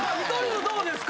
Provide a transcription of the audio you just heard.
図どうですか？